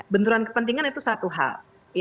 benturan kepentingan itu satu hal